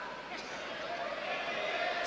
siapa yang mau insap